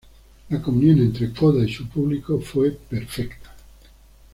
La comunión entre Coda y su público fue perfecta.